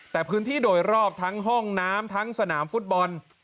แต่พื้นที่โดยรอบทั้งห้องน้ำทั้งสนามฟุตบอล